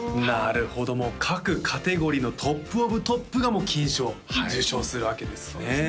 なるほどもう各カテゴリーのトップオブトップが金賞受賞するわけですね